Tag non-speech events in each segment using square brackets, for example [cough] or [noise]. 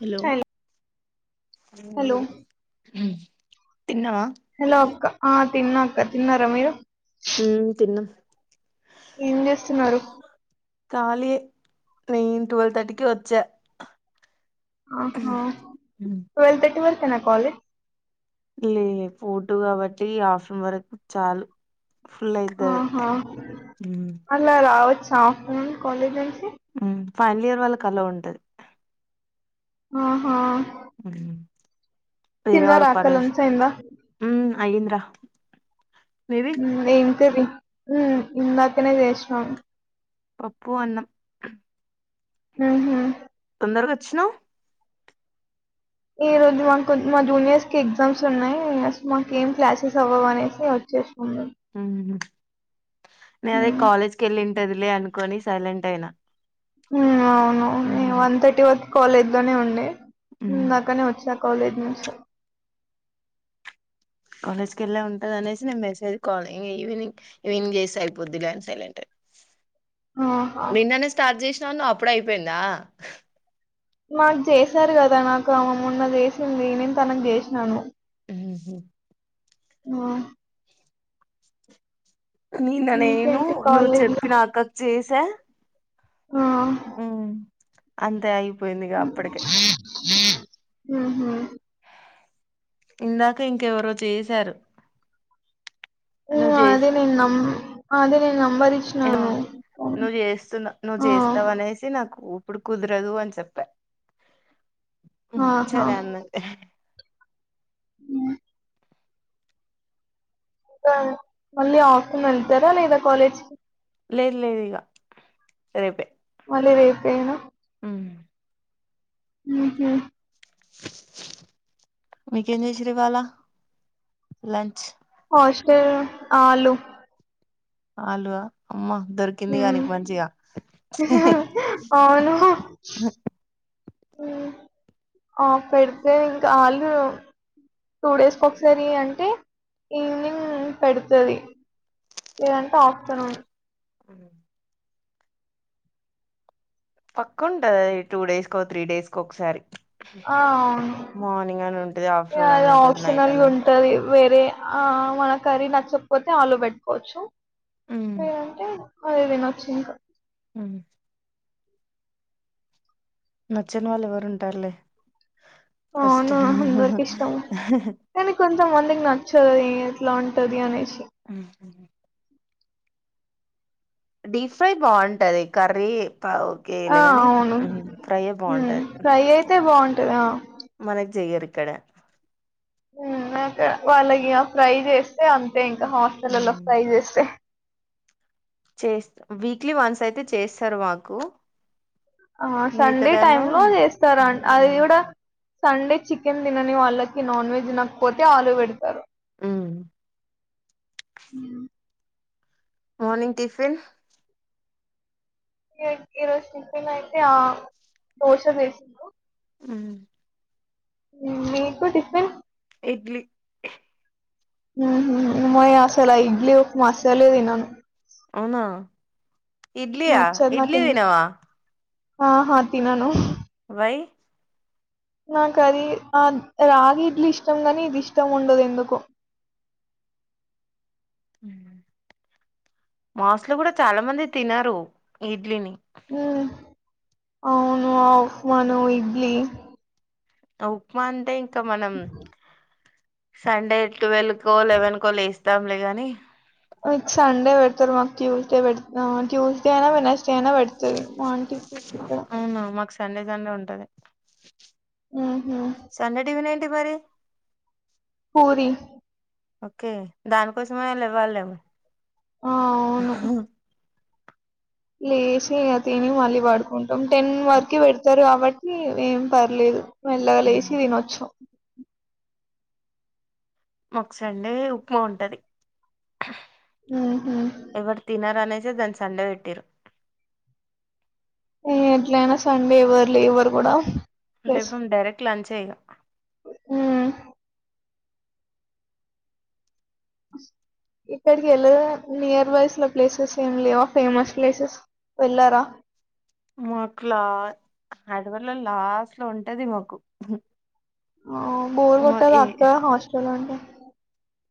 Hello hello hmm hello అక్క ఆ తిన్నాక్క తిన్నారా మీరు ఉమ్ తిన్నం ఏం చేస్తున్నారు ఖాళియే నేన్ ట్వెల్వ్ థర్టీ కి వచ్చా ఆహా ట్వెల్వ్ థర్టీ వరకు క్క నాకు కాల్ జేయ్ లే ఫోటో కాబట్టి ఆఫ్టర్నూన్ వరకు చాలు ఫుల్ అయితది ఆహా అలా రావచ్చ సాప్టర్నూన్ కొన్ని జేస్ మ్మ్ ఫైనల్ ఇయర్ వాళ్ళకి అలో ఉంటది ఆహా అవును తిన్నరా అక్కనుంచి అయింద అయింది రా మ్ ఏం కది ఇందాకనే చేస్నాం పప్పు అన్నం మ్ హు దరగొచ్చినవ్ ఈ రోజు [unintelligible] మా జూనియర్స్ కి ఎగ్జామ్స్ ఉన్నాయి మాకు ఏం క్లాసెస్ అవ్వవు అనేసి వచ్చేస్నాం మ్ హు నే అదే మేము కాలేజ్ కెళ్ళి టెదిలే అనుకొని సైలెంట్ అయినా ఉ అవునువును ఈ వన్ తథర్టీ వ కాలేజ్ లోనే ఉండే ఇందాకనే వచ్చా కాలేజ్ నుంచా కాలేజ్ కెళ్లే ఉంటది అనేసి నేను మెసేజ్ కాల్ ఇంగ ఈవినింగ్ ఈవింగ్ చేసి అయిపోద్ధిలే అని సైలెంట్ఐ ఆహా నిన్ననే స్టార్ట్ చేస్ చానా అప్పుడే అయిపోయిందా మాకు చేసారు కద నాకు అమే మొన్న చేసింది నేను తనకు చేసినాను స ఆ నిన్న నేను ఇంకేంటి నువ్వు కాలేజ్ లో చెప్పి నాక చెస్ తా ఆ ఆ అంత అయి పోయిందిగా అప్పటికే హ్మ్ హు ఇందాక ఇంకెవరో చేశారు ను అదే జేస్త నేను నం అదే నేన్ నువ్వు చేస్తున్నా నువ్వు ఆ చేస్తవ అనేసి నాకు ఇప్పుడు కుదరదు అన్ చెప్పా ఆహా సరే అన్న హ్మ్ సరే మళ్ళీ ఆఫ్టర్నూన్ వెళ్తర లేదా కాలేజ్ కి లేదు లేదు ఇగ రేపే మళ్ళ రేపే న ఉమ్. హ్మ్ హు మీకేం జేసిర్రు ఇవాళ లంచ్ హస్టల్ అలు ఆల్వ అమ్మా మ్ అవును మ్ ఆ పెడితే ఇంకా ఆళ్ళు టూ డేస్కొ ఒకసారి అంటే ఈవినింగ్ పెడుతది లేదంటే ఆఫ్టర్నూన్ అ పక్క ఉంటది ఈ టూ డేస్కో త్రీ డేస్కో ఒకసారి ఆ అవును మార్నింగ్ అని ఉంటది ఆఫ్టర్నూన్ అని అల ఉంటది నైట్ అని ఆప్షనల్గా ఉంటది వేరే ఆ మన కర్రీ నచ్చకపోతే ఆలు పెట్టుకోవచ్చు ఉమ్ లేదంటే అది తినొచ్చు ఇంకా ఉ నచ్చని వాళ్ళు ఎవరుంటారులే ఫస్ట్ అవును. త మందికి నచ్చది ఎట్లా ఉంటది అనేసి ఉ డీప్ ఫ్రై బాగుంటది కర్రీ పా ఆ! కేయలేని అవును. ఫ్రైయే బాగుంటాది టద మనకి చెయ్యరు ఇక్కడ ఉ అక్కడ వాళ్లకి ఇగ ఫ్రై చేస్ తే ఇంకా హాస్టలల్లో ఫ్రై చేస్తే చేస్త వీక్లీ వన్స్ అయితే చేస్తారు మాకు ఆ సండే టైమ్ లో చేస్తారా అ అది కూడా సండే చికెన్ తినని వాళ్ళకి నాన్ వెజ్ తినకపోతే ఆలు పెడతారు ఉ ఉ మార్నింగ్ టిఫిన్ ఈ ఈరోజు టిఫెన్ అయితే ఆ దోశ చేసిండు ఉ మీకు టిఫిన్ ఇడ్లీ మాయ్ అస్సలు ఆ ఇడ్లీ, ఉప్మా అస్సలు తినను అవునా ఇడ్లీయా నచ్చదు ఇడ్లీ నాకెందుకు దినవా ఆహా తినను వై నాకు అది ఆ రాగి ఇడ్లీ ఇష్టం కానీ ఇది ఇష్టం ఉండదు ఎందుకో మా హాస్టల్లో కూడా చాలా మంది తినరూ ఇడ్లీని ఉ అవును ఆ ఉప్మాను, ఇడ్లీ ఆ ఉప్మా అంటే త మనం సండే టువెల్క్ కో లెవన్ కో లేస్ ద్దాంలే గాని మీకు సండే పెడతారు మాకు ట్యూస్డే పె ట్యూస్డే అయినా వెనస్డే అయినా పెడుతారు అవునా మాకు సండే సండే ఉంటది ఆహ సండే టిఫిన్ ఏంటి మరి పూరి ఓకే దానికోసమయినా లెవ్వల్నేమో ఆ అవును హ లేచి అ తిని మళ్ళీ పడుకుంటాం టెన్ వరకు పెడతారు కాబట్టి ఏం పర్లేదు మెల్లగా లేసి తినొచ్చు మాకు సండే ఉప్మా ఉంటది మ్హూ. ఎవరు తినరనేసి దాన్ని సండే పెట్టిన్లు ఏ ఎట్లయినా సండే ఎవ్వరు లేవరు కూడా లేకుంటే డైరెక్ట్ లంచ్ చేయగా హ ఇక్కడికి వెళ నియర్ బైస్ల ప్లేసెస్ ఏం లేవా ఫేమస్ ప్లేసెస్ వెళ్లారా మాకులా అడవల్ల లాస్ట్ లో ఉంటది మాకు ఆ మా గోరుగుట్ట ఏ దాటితే హాస్టల్ ఉంటది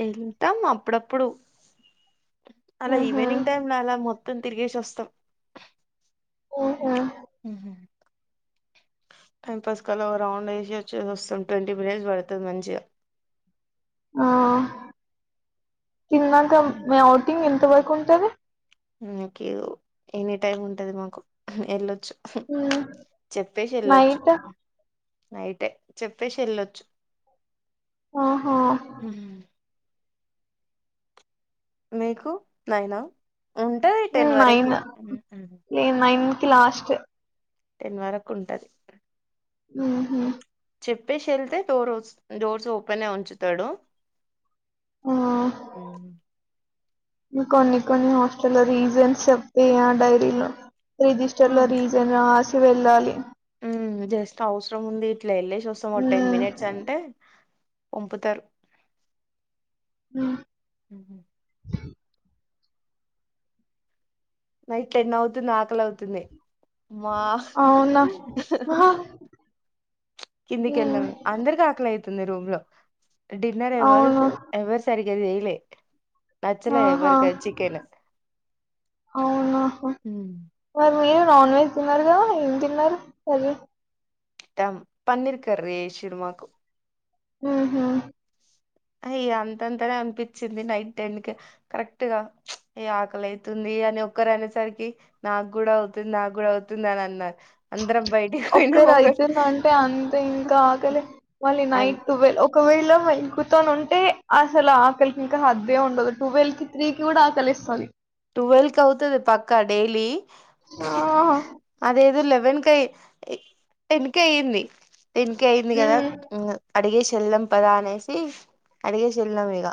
వెళ్తాం అప్పుడప్పుడు అలా ఆహా ఈవిెనింగ్ టైమ్ లో అలా మొ మొత్తం తిరిగేసి వస్తాం ఆహా హ టైం పాస్ కలా రౌండ్ వేసి వచ్చేసి వస్తాం ట్వంటీ మినిట్స్ పడుతుది మంచిగా ఆ తిన్నా క మ ఆవుటింగ్ త్త బయి కొంటది క ఎనీ టైమ్ ఉంటది మాకు వెళ్లొచ్చు హ మాతే నయిటే చెప్పేసి వెల్లొచ్చు ఆహా అ మీకు నైనా ఉంటాది టెన్ ఉమ్ వరకి క లాస్ట్ టెన్ వరకు ఉంటది. ఉ చెప్పేసి వెళ్తే డోర్ డోర్స్ ఓపెన్యి ఉంచుతాడు. ఆ అ కొన్ని కొన్ని హాస్టల్లో రీజన్స్ చెప్పే ఆ డైరీలో రిజిస్టర్ లో రీజన్ వెళ్ళాలి ఉ జస్త అవసరం ఉంది ఇట్లా వెళ్లేసస్తం ఓ టెన్ ఉమ్ మినిట్స్ అంటే. పంపుతారు ఉమ్ ఉహుమ్ నైట్ టెన్ అవుతుంది ఆకలి అవుతుంది. మా అవునా ఆహా ఉమ్ కిందికిళ్ళాము అందరికికలాయితు. ది రూమ్ లో డిన్నర్ ఎవరు అవును ఎవరు సరి డైలీ నచ్చలే ఆహా ఎవరు క చికెను అవునాహో మీరు నాన్ వెజ్ తిన్నారు కదా ఏం తిన్నారు సర టమ్ పన్నికారు రే స సినిరుమాకు ఉమ్ హు అయ అంతంతానే అనిపించింది నైట్ టెన్ కి కరెక్ట్గా ఈ ఆకలి అతుంది అని ఒక్కరు అనే సరికి నాకు కూడా అవుతుంది నాకు కూడా అవుతుంది అని అన్నారు. అందరం బయటికి పోయినాం ఒక్కరు ఒక అవుతుందంటే అంతే ఇంకా ఆకలి మళ్ళీ అ నైట్ టవల్ ఒకవేళ. వెళకుత ఉంటే అసలు ఆకలికి ఇంకా హద్దే ఉండదు టువెల్వ్ కి త్రీ కి కూడా ఆకలి ఇస్తుంది. ట్వెల్క్ అవుతుంది పక్కా డైలీ ఆ వెనకయ వెనక అయ్యింది. దీనికి అయింది కదా ఉమ్ అడిగే చెల్లం పదా అనేసి అడిగే చెల్లం ఇక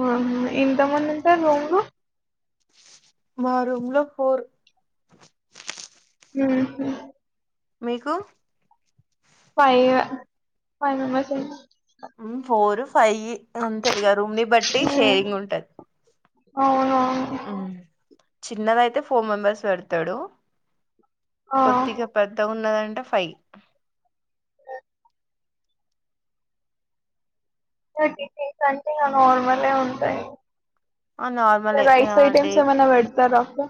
ఉమ్ ఎంత మంది థా నోను మా రూమ్ లో ఫోర్ ఉమ్ హు మీకు ఫై ఫై మెంబెర్స్ ఏమో ఉమ్ ఫోర్ ఫై అంతే ఇక రూమ్ ని బట్టి షేరింగ్ ఉంటది అవును ఉమ్ చిన్నదయితే ఫోర్ మెంబర్స్ పెడతాడు ఆ కొద్దిగా పెద్ద ఉన్నదండి ంట ఫైవ్ నార్మల్ ఉంటయి ఆ నార్మలే సయిస్ై డే టైమ్స్ మన వెడత క్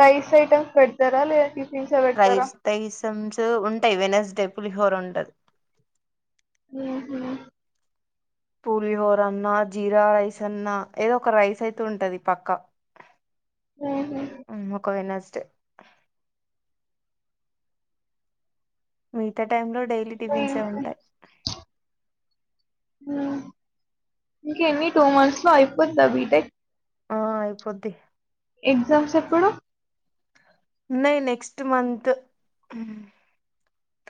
రైస్ ఐటమ్స్ పెడతారా లేదంటే రైస్ తీసంస్ ఉంటాయి వెనస్డే పులి ండ ఓహ పూలిహోర అన్నా జీరా రైస్ అన్నా ఏదో ఒక రైస్ అయితు ఉంటది పక్కా ఉహు కునా చె మీత టైమ్ లో డైలీ టిఫిన్సే ఉంటాయి ఇంక ఎన్ని టూ మంత్స్ లో అయిపోందా బీటై ఆ అయిపోద్ది ఎగ్జామ్స్ ఎప్పుడు న నెక్స్ట్ మంతంత ఫిఫ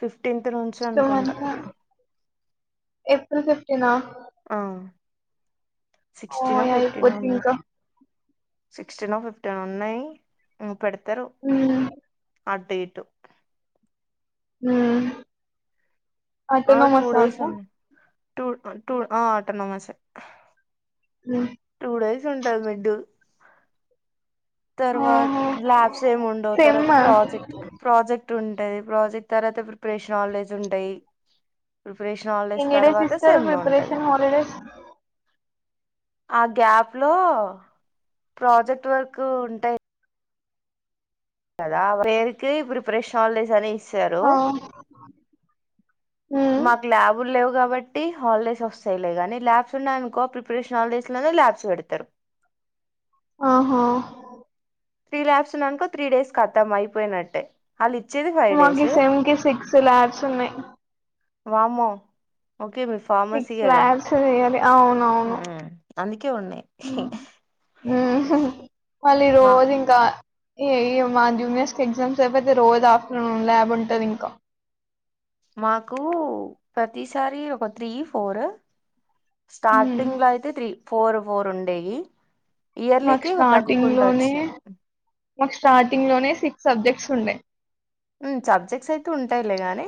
ఫిఫ్టీన్త్ నుంచి టూ అనుకుంటా మంత్స్ లో ఏప్రిల్ ఫిఫ్టీన్ ఆ ఓ అయిపోది ఇంకా సిక్స్టీన్ ఫిఫ్టీన్ ఉన్నాయి పెడి అ అట్ట ఇటు హ్ ఆ టూ అటానమస డేస్ ఉన్నాయి టూ టూ ఆ ఆటన్నామా సే ఉ టూ డేస్ ఉంటది మిడ్ తర్వాత ఓహో ల్యాబ్స్ ఏమి ఉండవు సేమ్ తర్వాత ఆ ప్రాజెక్ట్ ప్రాజెక్ట్ ఉంటాంది ప్రాజెక్ట్ తర్వాత ప్రిపరేషన్ ఆలేజ్ ఉంటాయి ప్రిపరేషన్ హాలిడేస్ ఎన్నిడేస్ తర్వాత ఇస్తారు సెమ్ ఉంటది ప్రిపరేషన్ హాలిడేస్ ఆ గ్యాప్ లో ప్రాజెక్ట్ వర్క్ ఉంటాయి కదా పేరుకే ప్రిపరేషన్ ఆని ఆ ఉమ్ మాకు ల్యాబ్లేవ్ కాబట్టి హాల్ డేస్ వస్సయ్ లే గానీ ల్యాబ్స్ ఉన్నాయ్ అనుకో ప్రిపరేష్ హాలిడేస్ లోనే ల్యాబ్స్ పెడతరు. ఆహా త్రీ ల్యాప్స్ ఉన్నానుకో త్రీ డేస్ కథం అయిపోయినట్టే వాళ్ళు ఇచ్చేది ఫైవ్ మాకి డేస్ సెమ్ కి సిక్స్ లాడ్స్ ఉన్నయ్. వామ్మో ఓకే మీ ఫార్మసీ సిక్స్ కదా ల్యాబ్స్ చేయలే అవునవును, ఉమ్, అందుకే ఉన్నాయి హు మళ్ళీ మా రోజు ఇంకా ఏయ్ మా జూనియర్స్ క ఎగ్జామ్స్ అయిపెతే రోజు ఆప్ న్నున్ ల్యాబ్ ఉంటది ఇంకా మాకు ప్రతిసారి ఒక త్రీ ఫోర్ ఉమ్ స్టార్టింగ్ లో అయితే త్రీ ఫోరు ఫోరు ఉండేయి. మాకు ఇయర్లీకి స్టార్టింగ్ లోనే తగ్గుకుంటావచ్చిన్నయ్. మాకు స్టార్టింగ్ లోనే సిక్స్ సబ్జెక్ట్స్ ఉన్నయ్. హు, సబ్జెక్ట్స్ అయితే ఉంటాయలే కాని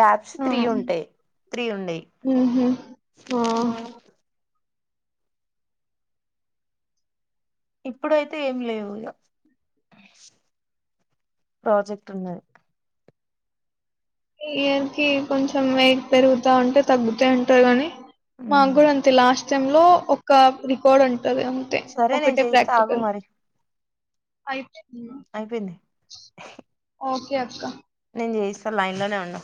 ల్యాబ్స్ ఆ త్రీ ఉంటయ్, త్రీ ఉండయ్ ఉహు ఆ ఇప్పుడైతే ఏమి లేవు ఇగ, ప్రాజెక్ట్ ఉన్నది. ఈ ఇయర్ కి కొంచెం వెయిట్ పెరుగుతాంటే తగ్గుతయ్ అంటర్ కానీ ఉమ్ మాకూడ అంతే లాస్ కొంచమ్ లొ ఒక రికార్డ్ అన్ తతి అంతే సరే నేను ఒకటే చేయిస్తా ప్రాక్టికల్ అయితే అయిపెంది కే అక్క నేన్ చేయిస్తా లైన్ లోనే ఉండు.